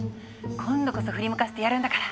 今度こそ振り向かせてやるんだから！